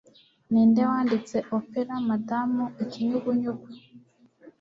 Ninde Wanditse Opera Madamu Ikinyugunyugu